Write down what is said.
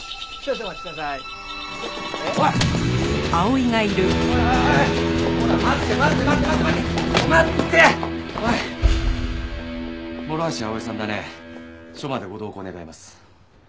署までご同行願います。